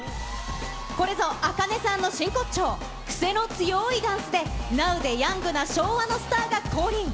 これぞａｋａｎｅさんの真骨頂、癖の強ーいダンスで、ナウでヤングな昭和のスターが降臨。